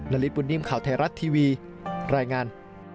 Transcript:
ฤทธบุญนิ่มข่าวไทยรัฐทีวีรายงาน